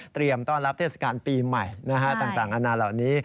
ต้อนรับเทศกาลปีใหม่ต่างอาณาเหล่านี้